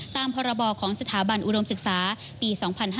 ตามพรบของสถาบันอุดมศึกษาปี๒๕๕๙